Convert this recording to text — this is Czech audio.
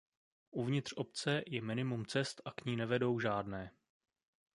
Uvnitř obce je minimum cest a k ní nevedou žádné.